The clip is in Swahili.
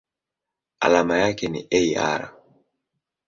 Alama yake ni Ar.